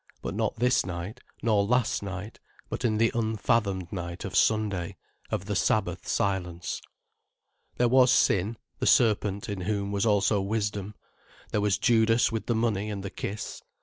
But not this night, nor last night, but in the unfathomed night of Sunday, of the Sabbath silence. There was Sin, the serpent, in whom was also wisdom. There was Judas with the money and the kiss.